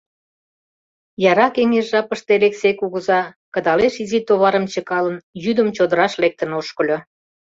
Яра кеҥеж жапыште Элексей кугыза, кыдалеш изи товарым чыкалын, йӱдым чодыраш лектын ошкыльо.